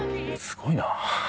すごいな。